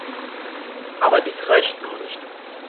Aber dies reicht noch nicht.